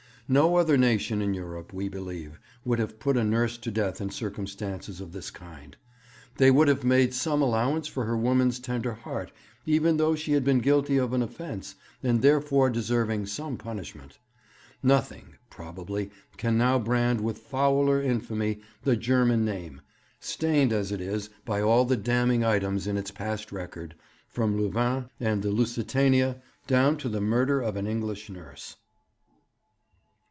No other nation in Europe, we believe, would have put a nurse to death in circumstances of this kind. They would have made some allowance for her woman's tender heart, even though she had been guilty of an offence, and therefore deserved some punishment. Nothing, probably, can now brand with fouler infamy the German name, stained as it is by all the damning items in its past record, from Louvain and the Lusitania down to the murder of an English nurse.'